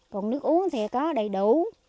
còn nước uống thì có đầy đủ